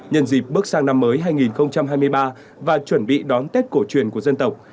nhân dịp bước sang năm mới hai nghìn hai mươi ba và chuẩn bị đón tết cổ truyền của dân tộc